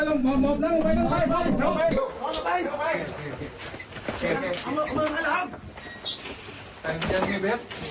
อย่างนี้ครับ